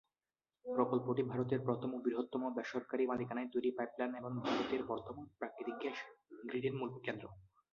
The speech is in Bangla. প্রকল্পটি ভারতের প্রথম ও বৃহত্তম বেসরকারী মালিকানায় তৈরি পাইপলাইন এবং ভারতের বর্ধমান প্রাকৃতিক গ্যাস গ্রিডের মূল কেন্দ্র।